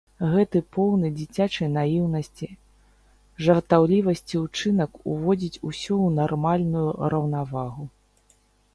Гэты поўны дзіцячай наіўнасці, жартаўлівасці ўчынак уводзіць усё ў нармальную раўнавагу.